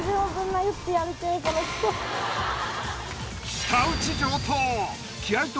舌打ち上等。